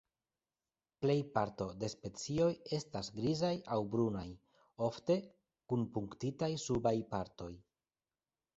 Plej parto de specioj estas grizaj aŭ brunaj, ofte kun punktitaj subaj partoj.